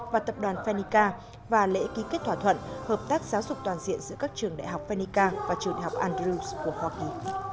và tập đoàn fenica và lễ ký kết thỏa thuận hợp tác giáo dục toàn diện giữa các trường đại học fenica và trường đại học andrews của hoa kỳ